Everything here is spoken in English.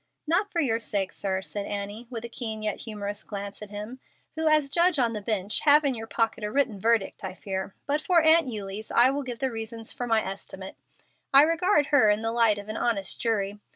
"Not for your sake, sir," said Annie, with a keen yet humorous glance at him, "who as judge on the bench have in your pocket a written verdict, I fear, but for Aunt Eulie's I will give the reasons for my estimate. I regard her in the light of an honest jury.